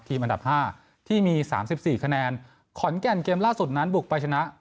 ทีมอันดับ๕ที่มี๓๔คะแนนขอนแก่นเกมล่าสุดนั้นบุกไปชนะ